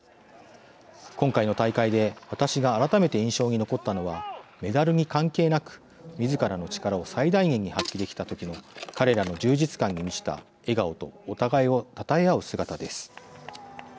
今回の大会で私が改めて印象に残ったのはメダルに関係なくみずからの力を最大限に発揮できたときの彼らの充実感に満ちた笑顔とお互いをたたえ合う姿です。